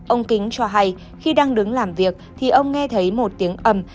ông kính cho hay khi đang đứng làm việc thì ông nghe thấy một tiếng âm